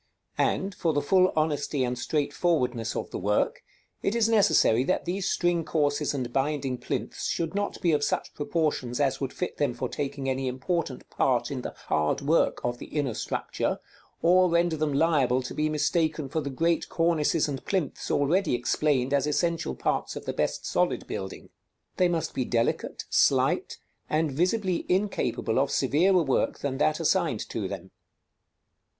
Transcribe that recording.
And, for the full honesty and straight forwardness of the work, it is necessary that these string courses and binding plinths should not be of such proportions as would fit them for taking any important part in the hard work of the inner structure, or render them liable to be mistaken for the great cornices and plinths already explained as essential parts of the best solid building. They must be delicate, slight, and visibly incapable of severer work than that assigned to them.